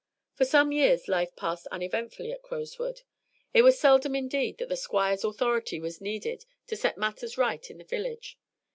For some years life passed uneventfully at Crowswood. It was seldom indeed that the Squire's authority was needed to set matters right in the village.